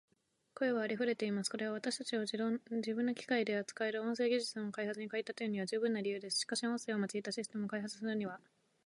声はありふれています。これは私たちを自分の機械で使える音声技術の開発に駆り立てるには十分に必要な理由です。しかし、音声を用いたシステムを開発するには途方もない量の音声データが必要です。